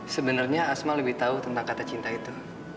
sebenarnya asma lebih tahu tentang kata cinta itu